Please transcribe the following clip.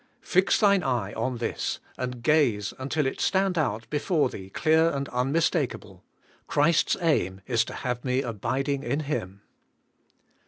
Fix thine eye on this, and gaze until it stand out before thee clear and unmistakable: Christ's aim is to have me abiding in Him.